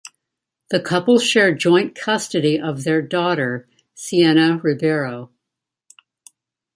The couple share joint custody of their daughter, Sienna Ribeiro.